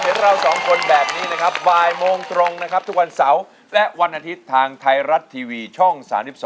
เห็นเราสองคนแบบนี้นะครับบ่ายโมงตรงนะครับทุกวันเสาร์และวันอาทิตย์ทางไทยรัฐทีวีช่อง๓๒